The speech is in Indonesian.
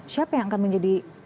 siapa yang akan menjadi